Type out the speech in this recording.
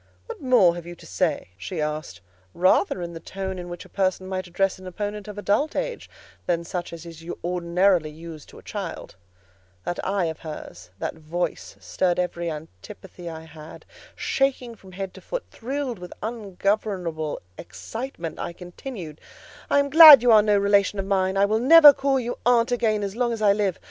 "What more have you to say?" she asked, rather in the tone in which a person might address an opponent of adult age than such as is ordinarily used to a child. That eye of hers, that voice stirred every antipathy I had. Shaking from head to foot, thrilled with ungovernable excitement, I continued— "I am glad you are no relation of mine: I will never call you aunt again as long as I live.